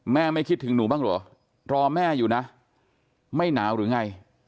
ไม่คิดถึงหนูบ้างเหรอรอแม่อยู่นะไม่หนาวหรือไง